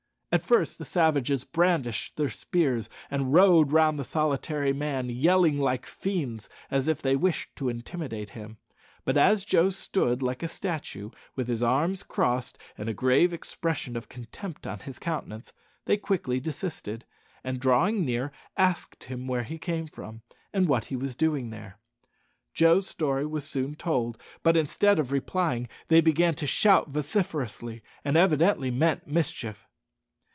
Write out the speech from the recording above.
At first the savages brandished their spears and rode round the solitary man, yelling like fiends, as if they wished to intimidate him; but as Joe stood like a statue, with his arms crossed, and a grave expression of contempt on his countenance, they quickly desisted, and, drawing near, asked him where he came from, and what he was doing there. Joe's story was soon told; but instead of replying, they began to shout vociferously, and evidently meant mischief.